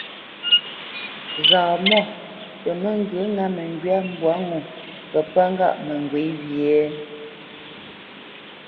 Zaamɔ̂ tə mə́ ŋgyə̌ ŋá məŋgywá mbwǎ ŋo kə́ pə́ŋgâʼ mə ŋgywě ghyê ?